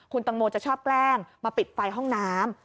คุณตังโมจะชอบแกล้งมาปิดไฟห้องน้ำ